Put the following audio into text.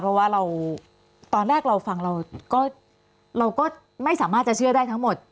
เพราะว่าเราตอนแรกเราฟังเราก็ไม่สามารถจะเชื่อได้ทั้งหมด